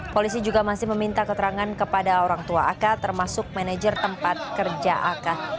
polisi juga masih meminta keterangan kepada orang tua aka termasuk manajer tempat kerja aka